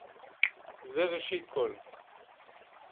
זה ראשית כול!